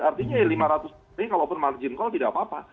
artinya lima ratus ini kalau margin call tidak apa apa